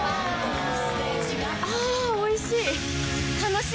あぁおいしい！